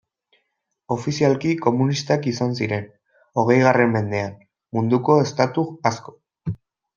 Ofizialki komunistak izan ziren, hogeigarren mendean, munduko estatu asko.